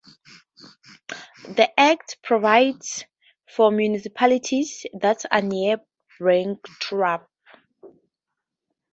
The act provides for municipalities that are near bankruptcy.